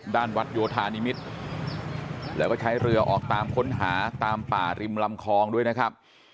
ด้านวัดโยธานิมิตรแล้วก็ใช้เรือออกตามค้นหาตามป่าริมลำคลองด้วยนะครับ